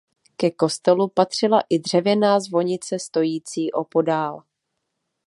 Ke kostelu patřila i dřevěná zvonice stojící opodál.